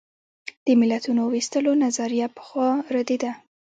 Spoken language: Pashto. د ملتونو وېستلو نظریه پخوا ردېده.